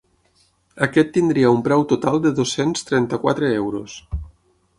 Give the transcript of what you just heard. Aquest tindria un preu total de dos-cents trenta-quatre euros.